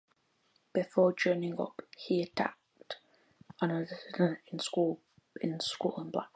Before joining up, he attended Arnold School in Blackpool.